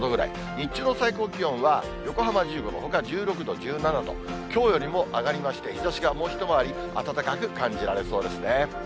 日中の最高気温は横浜５度、ほか１６度、１７度、きょうよりも上がりまして、日ざしがもう一回り暖かく感じられそうですね。